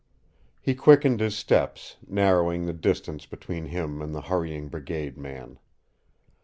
He quickened his steps, narrowing the distance between him and the hurrying brigade man.